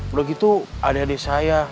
udah gitu adik adik saya